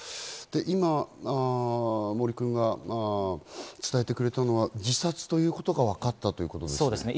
今、森君が伝えてくれたのは自殺ということがわかったということですね。